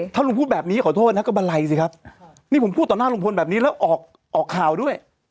ถ้าลุงพูดแบบนี้ขอโทษนะก็บันไลสิครับนี่ผมพูดต่อหน้าลุงพลแบบนี้แล้วออกออกข่าวด้วย